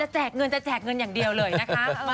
จะแจกเงินอย่างเดียวเลยนะคะ